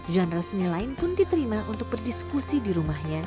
genre seni lain pun diterima untuk berdiskusi di rumahnya